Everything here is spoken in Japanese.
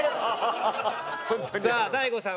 さあ大悟さん